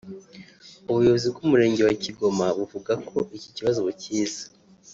ubuyobozi bw’umurenge wa Kigoma buvuga ko iki kibazo bukizi